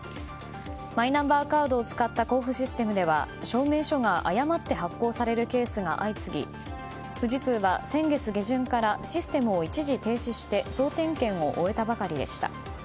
マイナンバーカードを使った交付システムでは証明書が誤って発行されるケースが相次ぎ富士通は先月下旬からシステムを一時停止して総点検を終えたばかりでした。